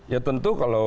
ya tentu kalau kpu